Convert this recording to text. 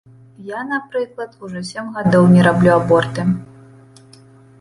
Я, напрыклад, ужо сем гадоў не раблю аборты.